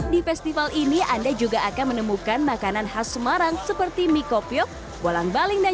di festival ini anda juga akan menemukan makanan khas semarang seperti mie kopiok bolang baling dan